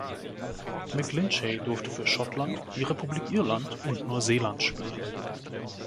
McGlinchey durfte für Schottland, die Republik Irland und Neuseeland spielen.